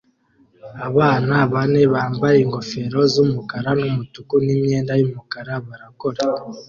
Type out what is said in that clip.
Abana bane bambaye ingofero z'umukara n'umutuku n'imyenda y'umukara barakora